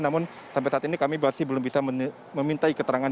namun sampai saat ini kami masih belum bisa memintai keterangan